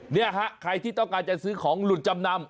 เนี่ยฮะใครที่ต้องการจะซื้อของหลุดจำนำ